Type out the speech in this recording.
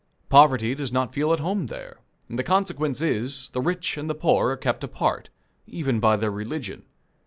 Poverty does not feel at home there, and the consequence is, the rich and poor are kept apart, even by their religion.